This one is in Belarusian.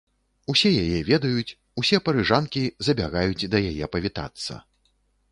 Усе яе ведаюць, усе парыжанкі забягаюць да яе павітацца.